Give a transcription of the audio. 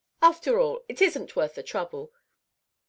"After all, it isn't worth the trouble.